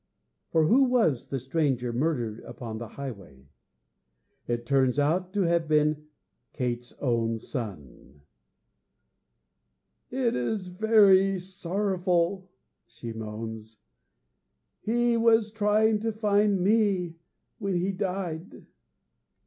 For who was the stranger murdered upon the highway? It turns out to have been Kate's own son! 'It is very sorrowful,' she moans. 'He was trying to find me when he died!'